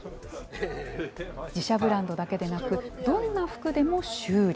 自社ブランドだけでなくどんな服でも修理。